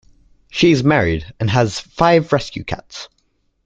She is married and has five rescue cats.